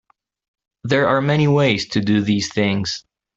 There are many ways to do these things.